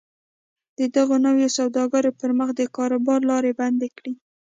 د دغو نویو سوداګرو پر مخ د کاروبار لارې بندې کړي